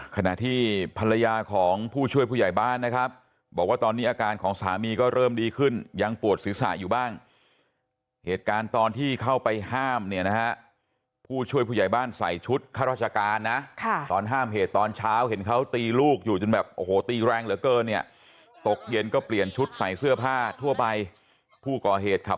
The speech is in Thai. ขณะที่ภรรยาของผู้ช่วยผู้ใหญ่บ้านนะครับบอกว่าตอนนี้อาการของสามีก็เริ่มดีขึ้นยังปวดศีรษะอยู่บ้างเหตุการณ์ตอนที่เข้าไปห้ามเนี่ยนะฮะผู้ช่วยผู้ใหญ่บ้านใส่ชุดข้าราชการนะตอนห้ามเหตุตอนเช้าเห็นเขาตีลูกอยู่จนแบบโอ้โหตีแรงเหลือเกินเนี่ยตกเย็นก็เปลี่ยนชุดใส่เสื้อผ้าทั่วไปผู้ก่อเหตุขับ